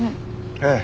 ええ。